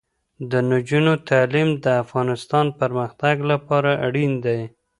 د نجونو تعلیم د افغانستان پرمختګ لپاره اړین دی.